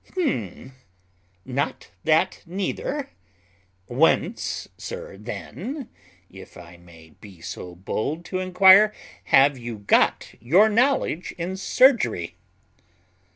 "Hum! not that neither? Whence, sir, then, if I may be so bold to inquire, have you got your knowledge in surgery?"